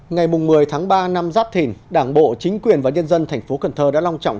ngày một mươi tháng ba năm giáp thìn đảng bộ chính quyền và nhân dân thành phố cần thơ đã long trọng